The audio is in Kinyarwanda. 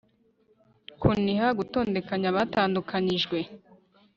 kuniha, gutondekanya abatandukanijwe